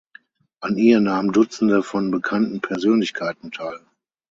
An ihr nahmen Dutzende von bekannten Persönlichkeiten teil.